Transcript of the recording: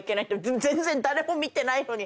全然誰も見てないのに。